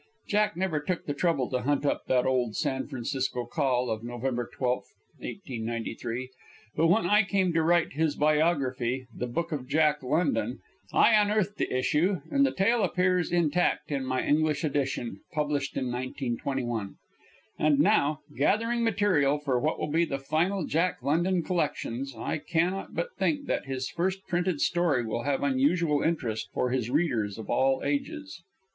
Jack never took the trouble to hunt up that old San Francisco Call of November 12, 1893; but when I came to write his biography, "The Book of Jack London," I unearthed the issue, and the tale appears intact in my English edition, published in 1921. And now, gathering material for what will be the final Jack London collections, I cannot but think that his first printed story will have unusual interest for his readers of all ages.